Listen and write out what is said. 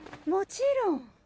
もちろん。